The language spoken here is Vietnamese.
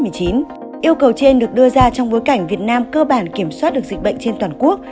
yêu cầu trên được đưa ra trong bối cảnh việt nam cơ bản kiểm soát được dịch bệnh trên toàn quốc